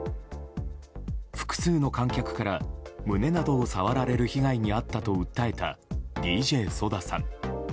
複数の観客から胸などを触られる被害に遭ったと訴えたＤＪＳＯＤＡさん。